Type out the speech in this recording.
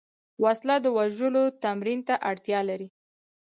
وسله د وژلو تمرین ته اړتیا لري